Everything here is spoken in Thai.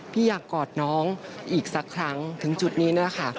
พี่อยากกอดน้องอีกสักครั้งถึงจุดนี้นะคะ